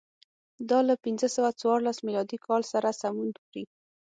دا له پنځه سوه څوارلس میلادي کال سره سمون خوري.